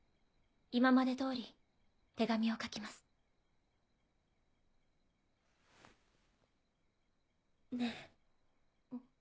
今まで通り手紙を書きます。ねぇ。